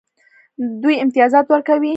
دوی امتیازات ورکوي.